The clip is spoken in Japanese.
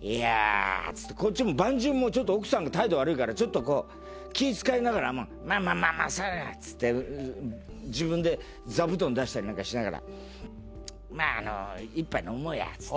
いやあ」っつってこっちも伴淳もちょっと奥さんが態度悪いからちょっとこう気ぃ使いながらもう「まあまあまあまあ座れ」っつって自分で座布団出したりなんかしながら「まあ１杯飲もうや」っつって。